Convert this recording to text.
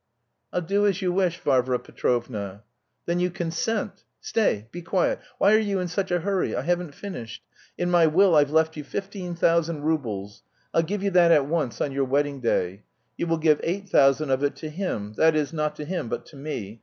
"I'll do as you wish, Varvara Petrovna." "Then you consent! Stay, be quiet. Why are you in such a hurry? I haven't finished. In my will I've left you fifteen thousand roubles. I'll give you that at once, on your wedding day. You will give eight thousand of it to him; that is, not to him but to me.